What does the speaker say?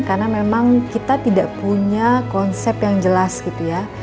karena memang kita tidak punya konsep yang jelas gitu ya